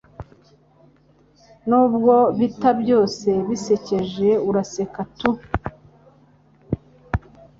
nubwo bitaba byose bisekeje uraseka tu